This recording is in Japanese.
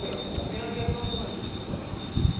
お土産屋さんとかに聞けるかな？